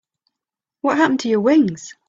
What happened to your wings?